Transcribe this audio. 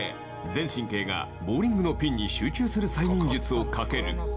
全神経がボウリングのピンに集中する催眠術をかける」